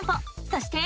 そして。